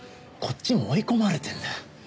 こっちも追い込まれてんだ。